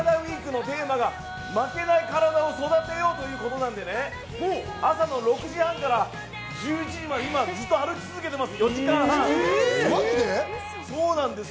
ＷＥＥＫのテーマが「負けないカラダ、育てよう」ということなのでね、朝の６時半から１１時までずっと歩き続けています。